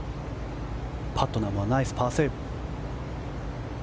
パットナムはナイスパーセーブ。